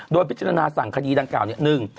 โดยพิจารณาสั่งคดีดังกล่าวเนี่ย